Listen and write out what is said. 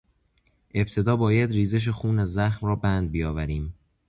ابتدا باید ریزش خون از زخم را بند بیاوریم.